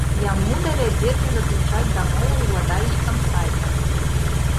Яму давядзецца заключаць дамову з уладальнікам сайта.